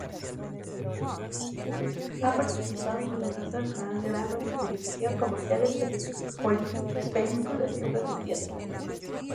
Ha aparecido en numerosos programas de televisión, comerciales, películas y obras de teatro.